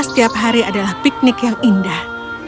setiap hari adalah piknik yang indah